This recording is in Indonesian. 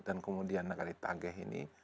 dan kemudian nagari tageh ini